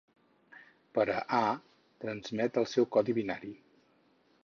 Per a "a" transmet el seu codi binari.